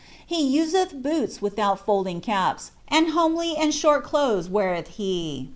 He useih boots without foM iiig cap«, and homely and short clothes wearelh he.